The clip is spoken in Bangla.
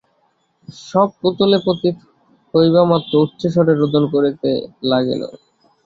শব ভূতলে পতিত হইবামাত্র উচ্চৈঃ স্বরে রোদন করিতে লাগিল।